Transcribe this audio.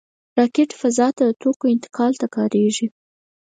راکټ فضا ته د توکو انتقال ته کارېږي